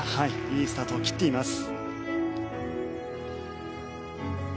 いいスタートを切っています。